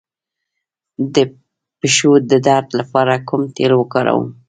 د پښو د درد لپاره کوم تېل وکاروم؟